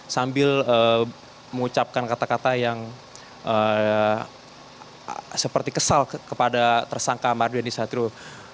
sambil mengucapkan kata kata yang seperti kesal kepada tersangka mario dandisatrio